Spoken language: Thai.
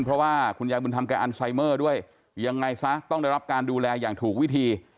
เพราะว่าคุณยายบุญธรรมแก่อันไซเมอร์ด้วยยังไงซะต้องได้รับการดูแลอย่างถูกวิธี